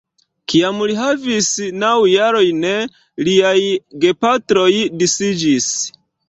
Kiam li havis naŭ jarojn, liaj gepatroj disiĝis.